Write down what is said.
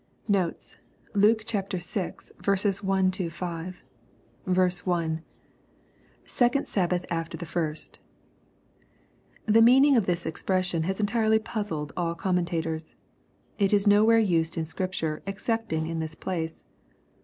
Notes. Luke VT. 1 — 5. 1. — [Second Sahbath after the first.] The meaning of this expression has entirely puzzled all commentators. It is nowhere used in Scripture, excepting in this place.